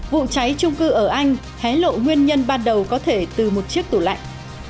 vụ cháy trung cư ở anh hé lộ nguyên nhân ban đầu có thể từ một chiếc tủ lạnh